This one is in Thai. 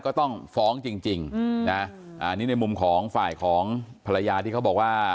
ก็ต้องฟ้องจริงมุมของฝ่ายของภรรยาที่เขาบอกว่า